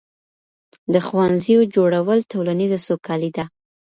د ښوونځیو جوړول ټولنیزه سوکالي ده.